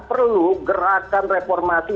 perlu gerakan reformasi